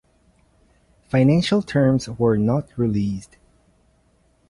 Financial terms were not released.